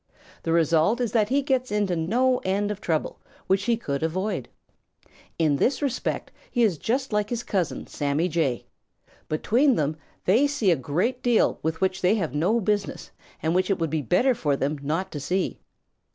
The result is that he gets into no end of trouble which he could avoid. In this respect he is just like his cousin, Sammy Jay. Between them they see a great deal with which they have no business and which it would be better for them not to see.